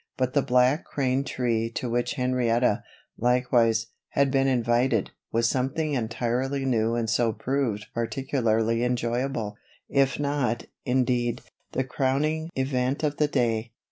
But the Black Crane tree to which Henrietta, likewise, had been invited, was something entirely new and so proved particularly enjoyable; if not, indeed, the crowning event of the day.